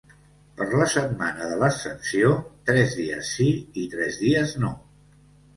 Per la setmana de l'Ascensió, tres dies sí i tres dies no.